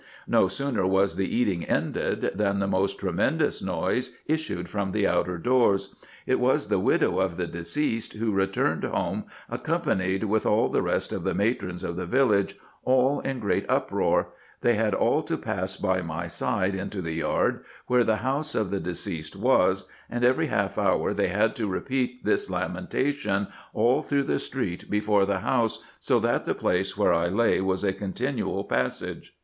No sooner was the eating ended, than the most tremendous noise issued from the outer doors ; it was the widow of the deceased, who returned home, accompanied with all the rest of the matrons of the village, all in great uproar ; they had all to pass by my side into the yard, where the house of the deceased was, and every half hour they had to repeat this lamentation all through the street before the house, so that the place where I lay was a continual passage.